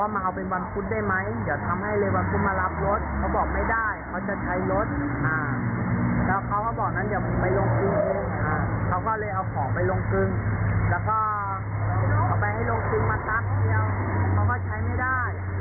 เอาไปให้โรงซื้อมาซักเดียวเขาก็ใช้ไม่ได้